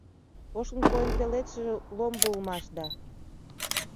Ошын койын пеледшыже ломбо улмаш да